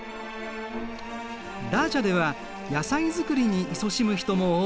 ダーチャでは野菜作りにいそしむ人も多い。